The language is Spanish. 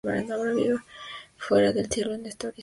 Vive "fuera del cielo, en el horizonte del este".